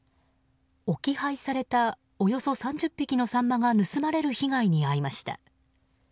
置き配されたおよそ３０匹のサンマが盗まれる被害に遭いました。